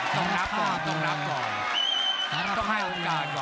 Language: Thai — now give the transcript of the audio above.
ต้องรับก่อนต้องรับก่อนต้องให้โอกาส